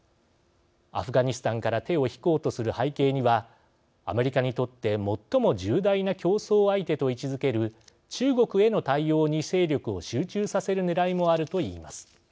アフガニスタンから手を引こうとする背景にはアメリカにとって最も重大な競争相手と位置づける中国への対応に精力を集中させるねらいもあるといいます。